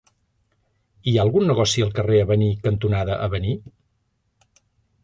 Hi ha algun negoci al carrer Avenir cantonada Avenir?